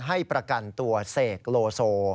ให้ประกันตัวเสกโลโซ